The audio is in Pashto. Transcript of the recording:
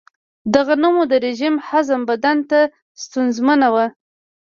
د غنمو د رژیم هضم بدن ته ستونزمن و.